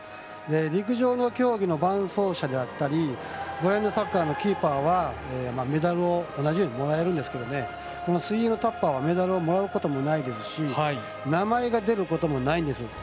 陸上の競技の伴走者であったりブラインドサッカーのキーパーはメダルを同じようにもらえるんですけども水泳のタッパーはメダルをもらうことはないですし名前が出ることもないんです。